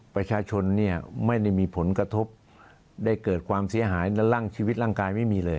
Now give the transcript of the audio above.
ประชาชนเนี่ยไม่ได้มีผลกระทบได้เกิดความเสียหายและร่างชีวิตร่างกายไม่มีเลย